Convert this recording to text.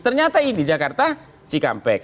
ternyata ini jakarta ckp